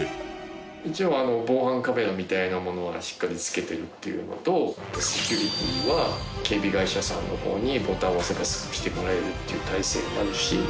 一応防犯カメラみたいなものはしっかり付けてるっていうのとセキュリティーは警備会社さんの方にボタンを押せばすぐ来てもらえるっていう体制もあるし。